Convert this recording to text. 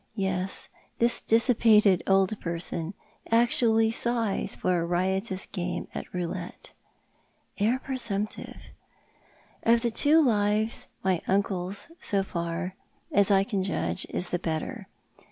Yes ; this dissipated old person actually sighs for a riotous game at roiilette. Heir presumptive ! Of the two lives my uncle's, so far as I can judge, is the better.